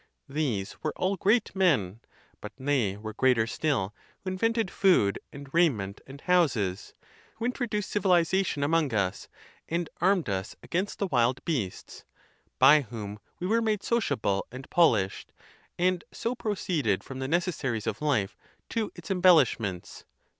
These were all great men. But they were greater still who invented food, and raiment, and houses; who introduced civilization among us, and armed .us against the wild beasts; by whom we were made sociable and polished, and so proceeded from the necessaries of life to its embellishments.